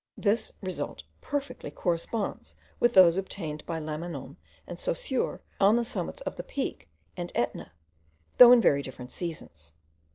This result perfectly corresponds with those obtained by Lamanon and Saussure on the summits of the Peak and Etna, though in very different seasons.